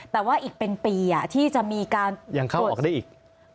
แต่ว่าอีกเป็นปีที่จะมีการยังเข้าออกได้อีก